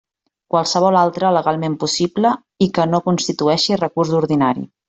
Qualsevol altre legalment possible i que no constitueixi recurs ordinari.